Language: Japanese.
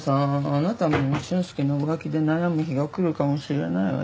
あなたも俊介の浮気で悩む日が来るかもしれないわよ。